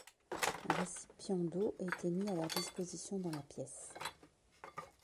Un récipient d’eau était mis à leur disposition dans la pièce.